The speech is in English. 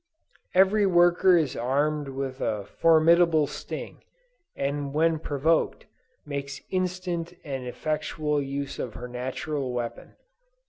Every worker is armed with a formidable sting, and when provoked, makes instant and effectual use of her natural weapon.